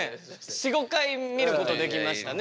４５回見ることできましたね。